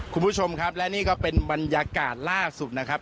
คุณผู้ชมครับและนี่ก็เป็นบรรยากาศล่าสุดนะครับ